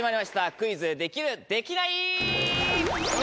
『クイズ！できる？できない？』。